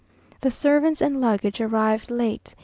The servants and luggage arrived late.